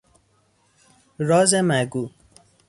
راز مگو